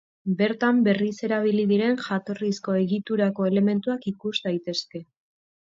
Bertan berriz erabili diren jatorrizko egiturako elementuak ikus daitezke.